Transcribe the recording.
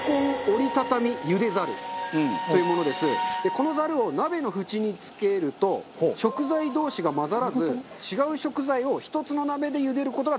このザルを鍋の縁に付けると食材同士が混ざらず違う食材を１つの鍋で茹でる事ができる。